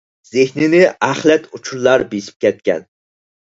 زېھىننى ئەخلەت ئۇچۇرلار بېسىپ كەتكەن.